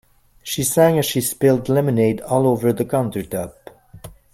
She sang as she spilled lemonade all over the countertop.